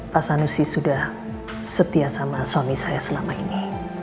pak sanusi sudah setia sama suami saya selama ini